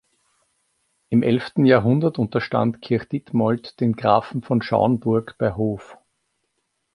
Im elften Jahrhundert unterstand Kirchditmold den Grafen von Schauenburg bei Hoof.